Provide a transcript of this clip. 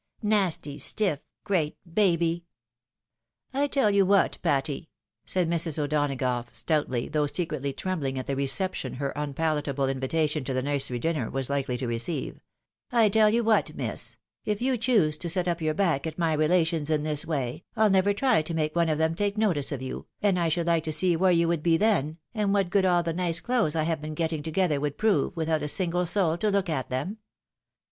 Nasty, stifif, great baby !"" I tell you what, Patty," said Mrs. O'Donagough stoutly, though secretly trembUng at the reception her unpalatable in vitation to the nursery dinner was hkely to receive, " I tell you what, miss, if you choose to set up your back at my relations in this way, I'll never try to make one of them take notice of you, and I should liie to see where you would be then, and what good aU the nice clothes I have been getting together would prove, without a single soul to look at them?